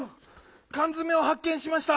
かんづめをはっ見しました！